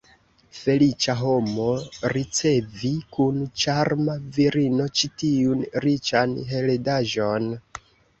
Feliĉa homo, ricevi kun ĉarma virino ĉi tiun riĉan heredaĵon!